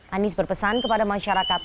anies berpesan kepada masyarakat